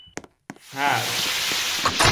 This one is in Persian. فرث